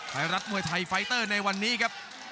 ไทยรัฐมวยไทยไฟเตอร์ในวันนี้ครับ